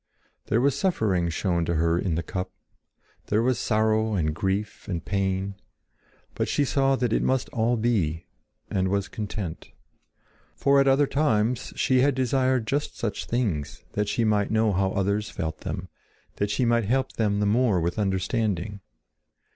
There was suffering shown to her in the cup; there were sorrow and grief and pain. But she saw that it must all be, and was content. For at other times she had desired just such things that she might know how others felt them, that she might help them the more with understanding.